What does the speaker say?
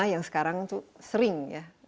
yang sekarang itu sering